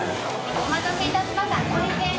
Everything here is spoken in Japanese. お待たせいたしました。